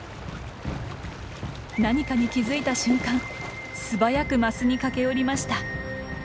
何かに気付いた瞬間素早くマスに駆け寄りました。